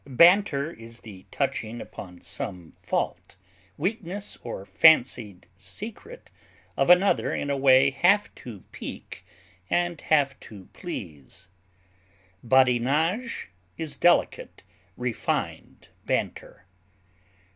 Banter is the touching upon some fault, weakness, or fancied secret of another in a way half to pique and half to please; badinage is delicate, refined banter.